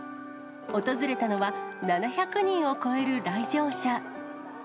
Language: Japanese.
訪れたのは、七〇〇人を超える来場者。